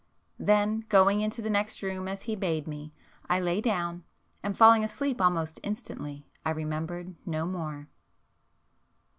Then, going into the next room as he bade me, I lay down, and falling asleep almost instantly, I remembered no more.